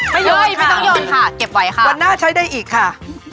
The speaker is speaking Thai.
โยนไม่ต้องย่นค่ะเก็บไว้ค่ะวันหน้าใช้ได้อีกค่ะ